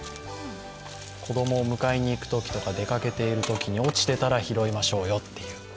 子供を迎えにいくときとか出掛けているときに、落ちていたら拾いましょうよと。